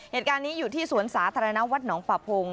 เหตุการณ์นี้อยู่ที่สวนสาธารณะวัดหนองปะพง